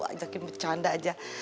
ajakin bercanda aja